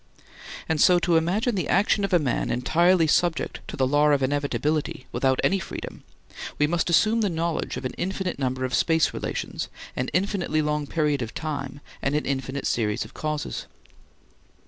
And so to imagine the action of a man entirely subject to the law of inevitability without any freedom, we must assume the knowledge of an infinite number of space relations, an infinitely long period of time, and an infinite series of causes.